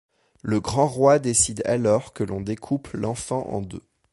Le grand roi décide alors que l'on découpe l'enfant en deux.